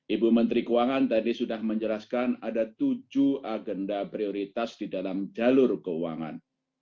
ibu menteri keuangan tadi sudah menjelaskan ada tujuh agenda prioritas di dalam jalur keuangan